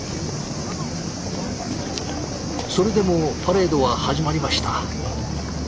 それでもパレードは始まりました。